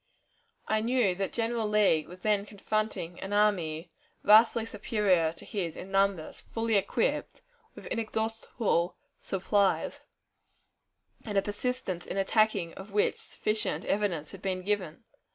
I knew that General Lee was then confronting an army vastly superior to his in numbers, fully equipped, with inexhaustible supplies, and a persistence in attacking of which sufficient evidence had been given.